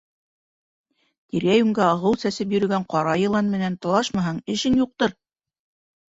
Тирә-йүнгә ағыу сәсеп йөрөгән ҡара йылан менән талашмаһаң, эшең юҡтыр.